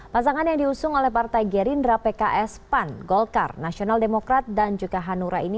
pasangan yang diusung oleh partai gerindra pks pan golkar nasional demokrat dan juga hanura ini